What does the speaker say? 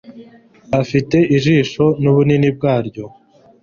Afite ijisho nubunini bwaryo